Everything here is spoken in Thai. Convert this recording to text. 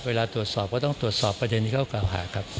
เวลาตรวจสอบก็ต้องตรวจสอบประเด็นที่เขากล่าวหาครับ